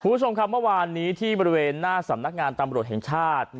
คุณผู้ชมครับเมื่อวานนี้ที่บริเวณหน้าสำนักงานตำรวจแห่งชาติ